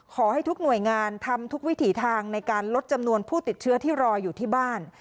ขอให้ทุกหน่วยงานทำทุกวิถีทางในการลดจำนวนผู้ติดเชื้อที่รออยู่ที่บ้าน